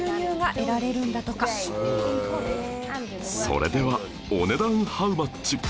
それではお値段ハウマッチ？